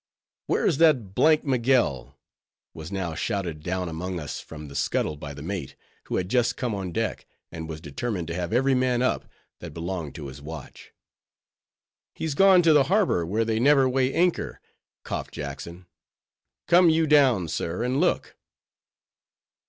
"Where's that d—d Miguel?" was now shouted down among us from the scuttle by the mate, who had just come on deck, and was determined to have every man up that belonged to his watch. "He's gone to the harbor where they never weigh anchor," coughed Jackson. "Come you down, sir, and look."